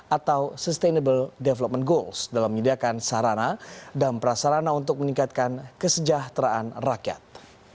atau sustainable development goals dalam menyediakan sarana dan prasarana untuk meningkatkan kesejahteraan rakyat